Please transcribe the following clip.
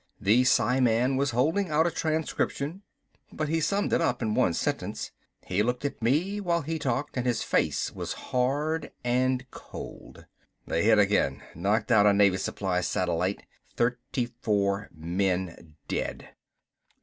The psiman was holding out a transcription, but he summed it up in one sentence. He looked at me while he talked and his face was hard and cold. "They hit again, knocked out a Navy supply satellite, thirty four men dead."